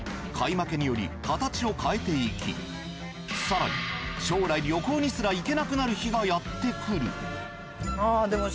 負けにより形を変えていき更に将来旅行にすら行けなくなる日がやってくる。